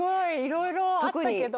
色々あったけど。